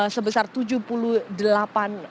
sebesar tujuh puluh delapan persen